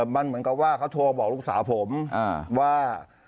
มันเหมือนกับว่าเขาโทรบอกลูกสาวผมว่า